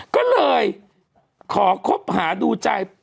ก็เลยขอคบหาดูใจ